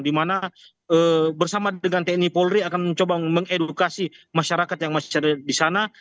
di mana bersama dengan tni polri akan mencoba mengedukasi masyarakat yang masih cari di sana